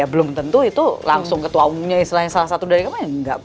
belum tentu itu langsung ketua umumnya istilahnya salah satu dari kemarin enggak